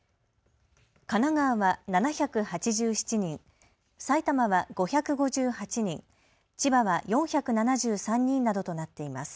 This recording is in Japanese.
神奈川は７８７人、埼玉は５５８人、千葉は４７３人などとなっています。